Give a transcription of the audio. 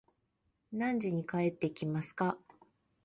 何時に帰ってきますか